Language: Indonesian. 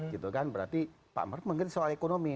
gitu kan berarti pak maruf mengganti soal ekonomi